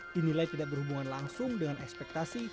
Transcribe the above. dinilai tidak berhubungan langsung dengan ekspektasi